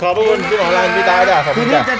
ขอบคุณทุกคน